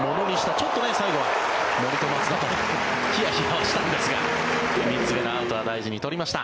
ちょっと最後は森と松田とヒヤヒヤしたんですが３つ目のアウトを大事に取りました。